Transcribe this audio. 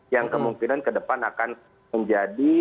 yang kemungkinan ke depan akan menjadi